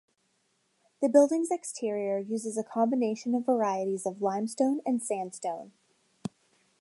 The building's exterior uses a combination of varieties of limestone and sandstone.